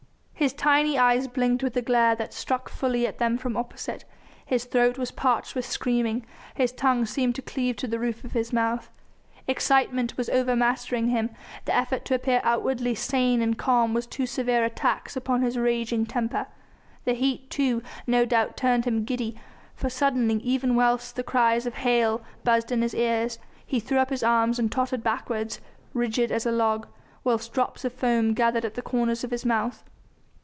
His tiny eyes blinked with the glare that struck fully at them from opposite, his throat was parched with screaming, his tongue seemed to cleave to the roof of his mouth. Excitement was overmastering him; the effort to appear outwardly sane and calm was too severe a tax upon his raging temper. The heat, too, no doubt turned him giddy, for suddenly, even whilst the cries of "Hail!" buzzed in his ears, he threw up his arms and tottered backwards, rigid as a log, whilst drops of foam gathered at the corners of his mouth.